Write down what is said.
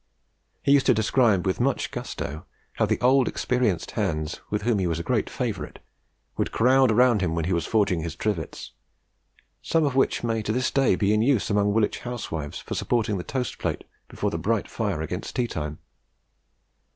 He used to describe with much gusto, how the old experienced hands, with whom he was a great favourite, would crowd about him when forging his "Trivets," some of which may to this day be in use among Woolwich housewives for supporting the toast plate before the bright fire against tea time.